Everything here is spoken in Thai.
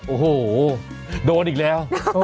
โอ้โหโดนอีกแล้ว